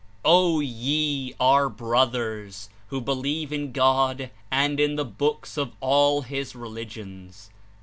O ye, our brothers, who believe in God and in the Books of all His religions!